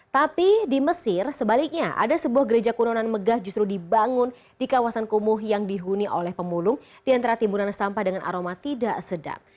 tapi di mesir sebaliknya ada sebuah gereja kunonan megah justru dibangun di kawasan kumuh yang dihuni oleh pemulung di antara timbunan sampah dengan aroma tidak sedap